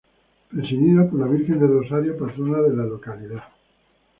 Presidido por la Virgen del Rosario, patrona de la localidad.